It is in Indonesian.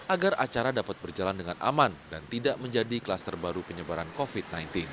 agar acara dapat berjalan dengan aman dan tidak menjadi kluster baru penyebaran covid sembilan belas